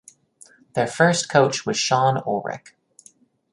Their first coach was Shawn Ulrich.